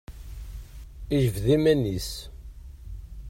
Ijbed iman-is.